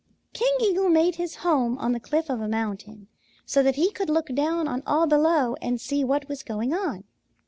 "King Eagle made his home on the cliff of a mountain, so that he could look down on all below and see what was going on.